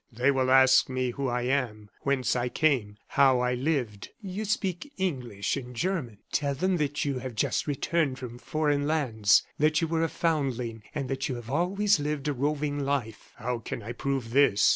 "They will ask me who I am, whence I came, how I have lived." "You speak English and German; tell them that you have just returned from foreign lands; that you were a foundling and that you have always lived a roving life." "How can I prove this?"